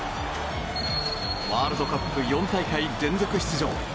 ワールドカップ４大会連続出場。